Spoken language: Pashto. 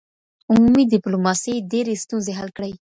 عمومي ډيپلوماسۍ ډېري ستونزي حل کړې.